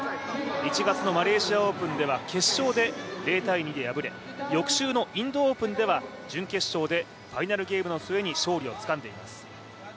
１月のマレーシアオープンでは決勝で０−２で敗れ翌週のインドオープンでは準決勝でファイナルゲームの末に勝利をつかんでいます。